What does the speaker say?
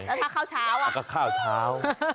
แล้วค้าวเช้า